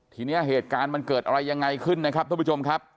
ทีนี้เหตุการณ์มันเกิดอะไรยังไงขึ้นนะครับท่านผู้ชมครับ